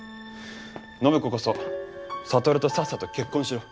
暢子こそ智とさっさと結婚しろ。